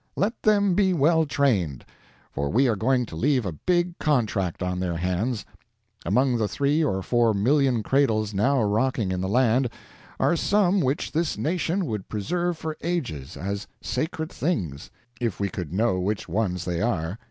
Let them be well trained, for we are going to leave a big contract on their hands. Among the three or four million cradles now rocking in the land are some which this nation would preserve for ages as sacred things, if we could know which ones they are.